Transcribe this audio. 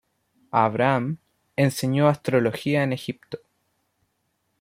Abraham enseñó astrología en Egipto.